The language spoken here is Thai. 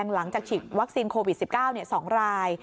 ตรงหลังจากฉีกวัคซีนโควิด๑๙สองราย